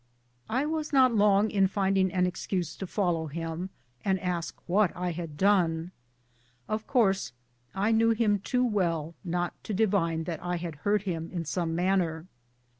I was not lono^ in findinor an excuse to follow him and ask what I had done. Of course I knew him too well not to divine that I had hurt him in some manner.